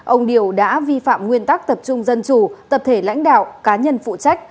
ông điều đã vi phạm nguyên tắc tập trung dân chủ tập thể lãnh đạo cá nhân phụ trách